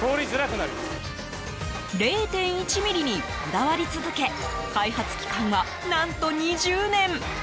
０．１ｍｍにこだわり続け開発期間は、何と２０年。